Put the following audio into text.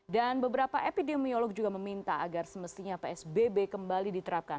dan beberapa epidemiolog juga meminta agar semestinya psbb kembali diterapkan